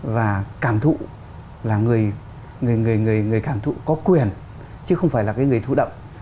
và cảm thụ là người người cảm thụ có quyền chứ không phải là cái người thụ động